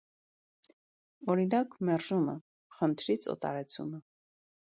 Օրինակ՝ մերժումը, խնդրից օտարացումը։